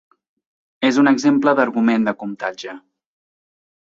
És un exemple d'argument de comptatge.